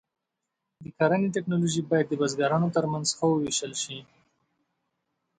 د کرنې ټکنالوژي باید د بزګرانو تر منځ ښه وویشل شي.